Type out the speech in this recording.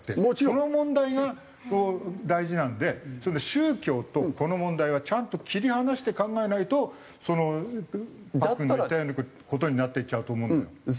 その問題が大事なんで宗教とこの問題はちゃんと切り離して考えないとパックンが言ったような事になっていっちゃうと思うんだよ。